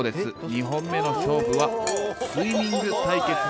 ２本目の勝負はスイミング対決です。